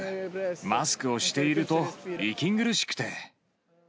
マスクをしていると息苦しくて。